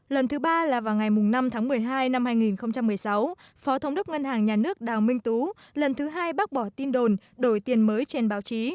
lần thứ ba là vào ngày năm tháng một mươi hai năm hai nghìn một mươi sáu phó thống đốc ngân hàng nhà nước đào minh tú lần thứ hai bác bỏ tin đồn đổi tiền mới trên báo chí